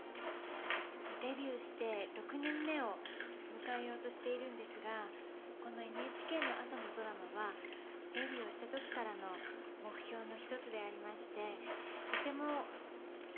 デビューして６年目を迎えようとしているんですがこのＮＨＫの朝のドラマはデビューをした時からの目標の一つでありましてとてもうれしいです。